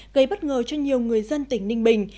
gây bất ngờ cho nhiều người dân tỉnh ninh bình